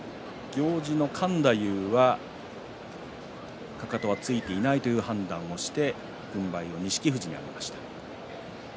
行司の勘太夫がかかとがついていないという判断をして軍配を錦富士に上げました。